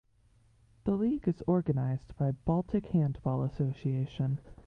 The league is organized by Baltic Handball Association.